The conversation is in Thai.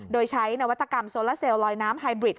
โดยใช้นวัตกรรมโซลาเซลลอยน้ำไฮบริด